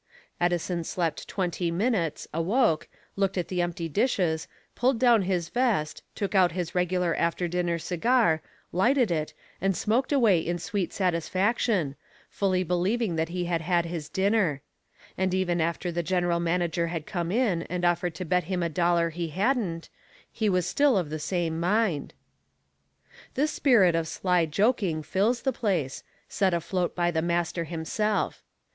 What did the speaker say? Edison slept twenty minutes, awoke, looked at the empty dishes, pulled down his vest, took out his regular after dinner cigar, lighted it and smoked away in sweet satisfaction, fully believing that he had had his dinner; and even after the General Manager had come in and offered to bet him a dollar he hadn't, he was still of the same mind. This spirit of sly joking fills the place, set afloat by the master himself.